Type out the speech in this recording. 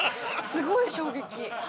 すごい衝撃。